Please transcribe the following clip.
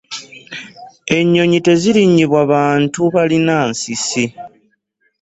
Ennyonyi terinyibwa bantu balina nsisi.